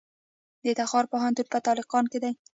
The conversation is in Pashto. د تخار پوهنتون په تالقان کې دی